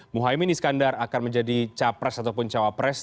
muhyemine iskandar akan menjadi cawapres ataupun cawapres